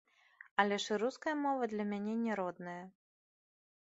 Але ж і руская мова для мяне не родная.